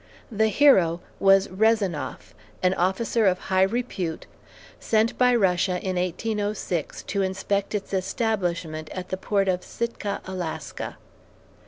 The hero was Rezanoff, an officer of high repute, sent by Russia in 1806 to inspect its establishment at the port of Sitka, Alaska.